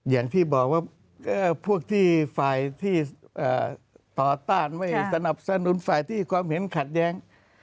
อย่างที่บอกว่าพวกที่ฝ่ายที่ต่อต้านไม่สนับสนุนฝ่ายที่ความเห็นขัดแย้ง